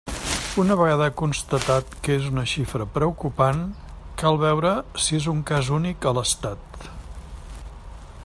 Una vegada constatat que és una xifra preocupant, cal veure si és un cas únic a l'Estat.